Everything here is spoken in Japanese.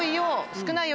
「少ないよ」